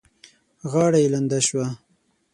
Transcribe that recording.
غاړه يې لنده شوه.